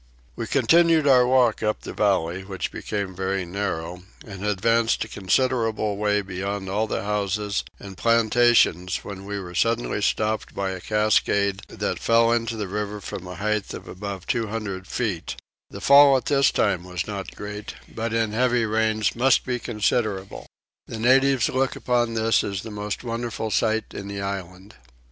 We continued our walk up the valley, which became very narrow, and had advanced a considerable way beyond all the houses and plantations when we were suddenly stopped by a cascade that fell into the river from a height of above 200 feet: the fall at this time was not great but in the heavy rains must be considerable. The natives look upon this as the most wonderful sight in the island.